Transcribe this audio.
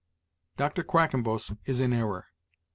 Dr. Quackenbos is in error.